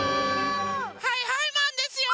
はいはいマンですよ！